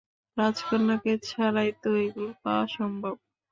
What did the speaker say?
রাজকন্যাকে ছাড়াই তো এগুলো পাওয়া সম্ভব।